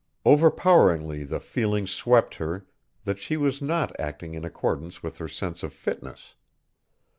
Overpoweringly the feeling swept her that she was not acting in accordance with her sense of fitness.